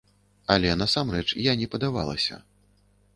Але насамрэч, я не падавалася.